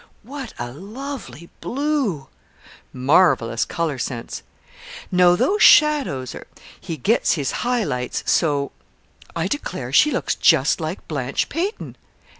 "What a lovely blue!" "Marvellous color sense!" "Now those shadows are " "He gets his high lights so " "I declare, she looks just like Blanche Payton!"